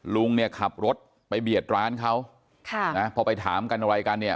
ลุงเนี่ยขับรถไปเบียดร้านเขาค่ะนะพอไปถามกันอะไรกันเนี่ย